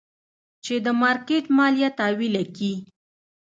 چې د مارکېټ ماليه تاويله کي.